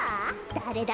だれだ？